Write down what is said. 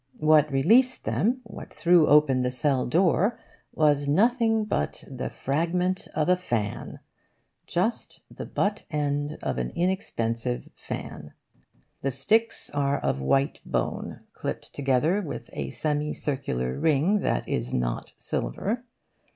What released them, what threw open the cell door, was nothing but the fragment of a fan; just the butt end of an inexpensive fan. The sticks are of white bone, clipped together with a semicircular ring that is not silver.